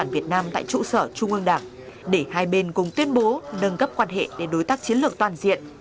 việt nam nhật bản đã nâng cấp quan hệ lên đối tác chiến lược toàn diện